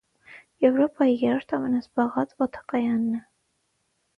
Եւրոպայի երրորդ ամենազբաղած օդակայանն է։